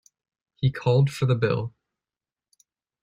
He called for the bill.